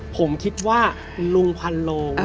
ผมคิดว่าลุงพันโลง